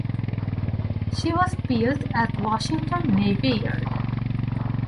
She was built at Washington Navy Yard.